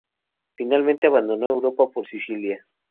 Finalmente abandonó Europa por Sicilia.